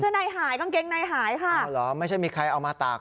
ในหายกางเกงในหายค่ะอ้าวเหรอไม่ใช่มีใครเอามาตาก